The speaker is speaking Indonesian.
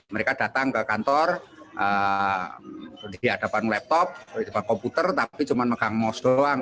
mereka datang ke kantor di hadapan laptop di depan komputer tapi cuma megang mos doang